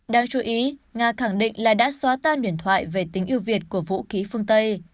đáng chú ý nga khẳng định là đã xóa ta điện thoại về tính yêu việt của vũ khí phương tây